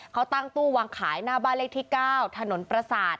เขาตั้งตู้วางขายหน้าบ้านเลขที่๙ถนนประสาท